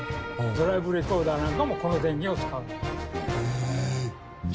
ドライブレコーダーなんかもこの電気を使うんです。